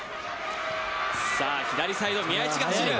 さあ、左サイド、宮市が走る。